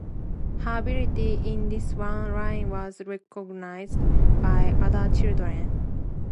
Her ability in this one line was recognized by other children.